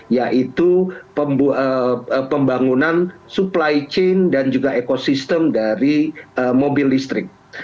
yaitu pembangunan supply chain dan juga ekosistem dari mobil listrik